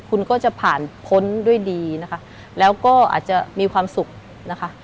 คุณก็จะผ่านพ้นด้วยดีนะคะแล้วก็อาจจะมีความสุขนะคะ